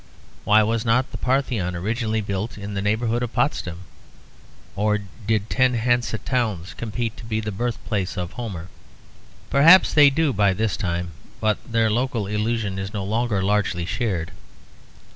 Why was not the Parthenon originally built in the neighbourhood of Potsdam, or did ten Hansa towns compete to be the birthplace of Homer? Perhaps they do by this time; but their local illusion is no longer largely shared.